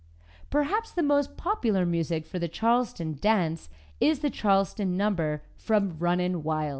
Perhaps the most popular music for the Charleston dance is the Charleston number from "Runnin' Wild."